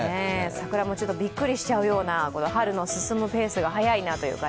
桜もちょっとびっくりしちゃうような、春が進むペースが早いなというような。